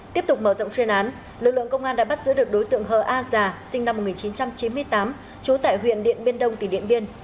tiếp tục mở rộng chuyên án lực lượng công an đã bắt giữ được đối tượng hờ a già sinh năm một nghìn chín trăm chín mươi tám trú tại huyện điện biên đông tỉnh điện biên